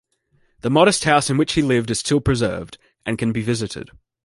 The modest house in which he lived is still preserved, and can be visited.